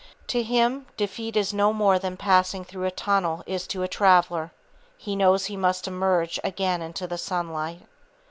To him, defeat is no more than passing through a tunnel is to a traveller, he knows he must emerge again into the sunlight.